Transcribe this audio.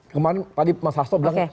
kemarin tadi mas hasto bilang